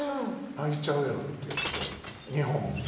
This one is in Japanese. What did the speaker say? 泣いちゃうよって言って。